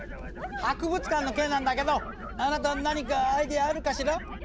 博物館の件なんだけどあなた何かアイデアあるかしら？